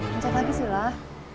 pencet lagi silah